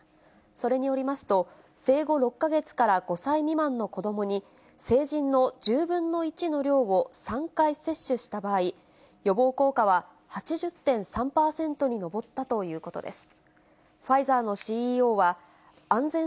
それによりますと、生後６か月から５歳未満の子どもに、成人の１０分の１の量を３回接種した場合、予防効果は８０．３％に上ったということです。